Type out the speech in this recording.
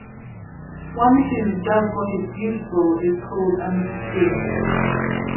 One who "does what is beautiful" is called a "muhsin".